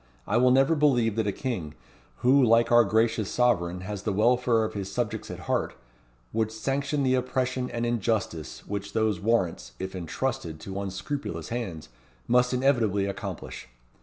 "I will never believe that a king, who, like our gracious sovereign, has the welfare of his subjects at heart, would sanction the oppression and injustice which those warrants, if entrusted to unscrupulous hands, must inevitably accomplish.